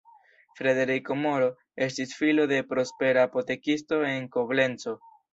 Frederiko Moro estis filo de prospera apotekisto en Koblenco.